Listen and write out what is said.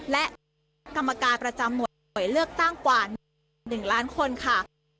และกรรมการประจำหวดหน่วยเลือกตั้งกว่า๑ล้านคนค่ะ